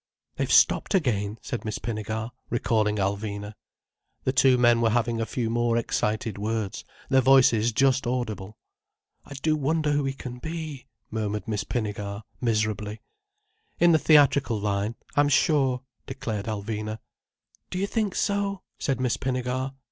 "They've stopped again," said Miss Pinnegar, recalling Alvina. The two men were having a few more excited words, their voices just audible. "I do wonder who he can be," murmured Miss Pinnegar miserably. "In the theatrical line, I'm sure," declared Alvina. "Do you think so?" said Miss Pinnegar.